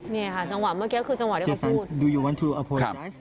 นี่ค่ะจังหวะเมื่อกี้ก็คือจังหวะที่เขาพูด